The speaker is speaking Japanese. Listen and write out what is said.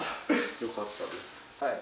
よかったです。